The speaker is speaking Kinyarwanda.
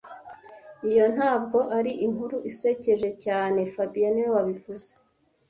Iyo ntabwo ari inkuru isekeje cyane fabien niwe wabivuze